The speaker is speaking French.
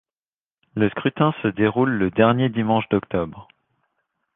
Le scrutin se déroule le dernier dimanche d'octobre.